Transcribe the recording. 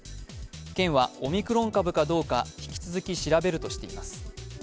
県はオミクロン株かどうか引き続き調べるとしています。